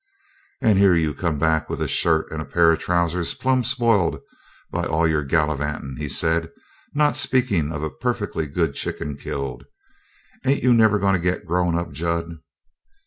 "And here you come back with a shirt and a pair of trousers plumb spoiled by all your gallivantin'," he said, "not speakin' of a perfectly good chicken killed. Ain't you never goin' to get grown up, Jud?"